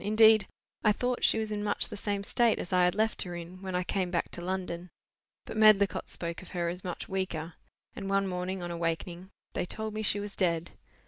Indeed, I thought she was in much the same state as I had left her in, when I came back to London. But Medlicott spoke of her as much weaker; and one morning on awakening, they told me she was dead.